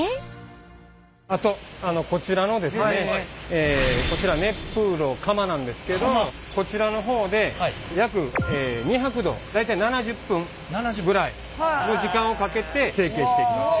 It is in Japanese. あとこちら熱風炉窯なんですけどこちらの方で約２００℃大体７０分ぐらいの時間をかけて成形していきます。